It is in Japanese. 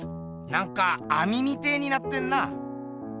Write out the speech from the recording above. なんかあみみてえになってんな。